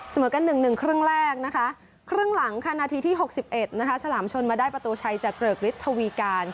สมมุติกัน๑๑ครึ่งแรกครึ่งหลังนาทีที่๖๑ชลามชนมาได้ประตูชัยจากเกริกฤทธวีการ